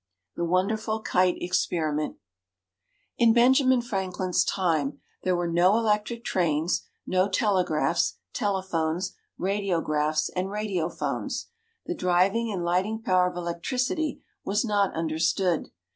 THE WONDERFUL KITE EXPERIMENT In Benjamin Franklin's time, there were no electric trains, no telegraphs, telephones, radiographs, and radiophones. The driving and lighting power of electricity was not understood.